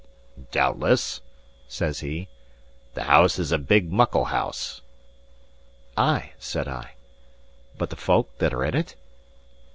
"Doubtless," says he. "The house is a big, muckle house." "Ay," said I, "but the folk that are in it?"